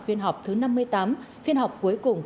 phiên họp thứ năm mươi tám phiên họp cuối cùng